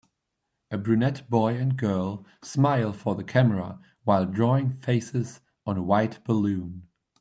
A brunette boy and girl smile for the camera while drawing faces on a white balloon.